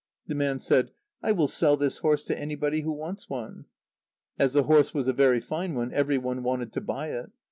The man said: "I will sell this horse to anybody who wants one." As the horse was a very fine one, every one wanted to buy it.